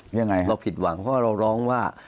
เราผิดหวังเพราะเราร้องว่า